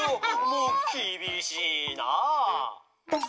もうきびしいな。